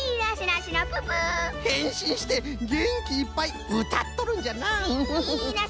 へんしんしてげんきいっぱいうたっとるんじゃなあ。